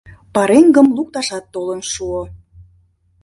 — Пареҥгым лукташат толын шуо.